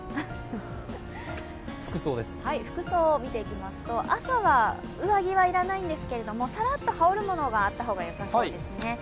服装を見ていきますと、朝は上着は要らないんですけどさらっと羽織るものがあった方がよさそうですね。